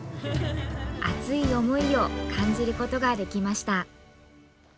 熱い思いを感じることができました。